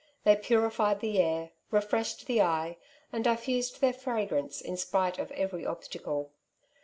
They purified the air, refreshed the eye, and diffused their fragrance in spite of every obstacle.